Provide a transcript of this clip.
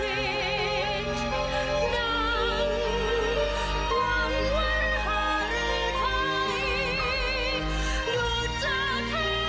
ดูดจากเธอไว้ช่วยชายนั้น